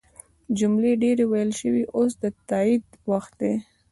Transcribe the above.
جملې ډیرې ویل شوي اوس د تایید وخت دی.